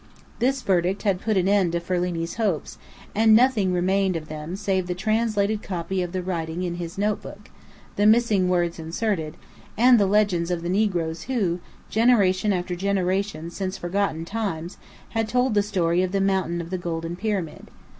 This verdict had put an end to Ferlini's hopes, and nothing remained of them save the translated copy of the writing in his notebook (the missing words inserted) and the legends of the negroes who, generation after generation since forgotten times, had told the story of the "Mountain of the Golden Pyramid."